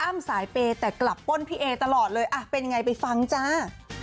สายเปย์แต่กลับป้นพี่เอตลอดเลยอ่ะเป็นยังไงไปฟังจ้า